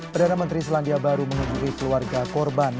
perdana menteri selandia baru mengunjungi keluarga korban